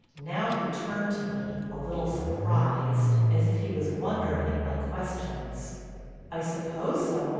Now he turned to me, a little surprised, as if he was wondering at my questions: "I suppose so.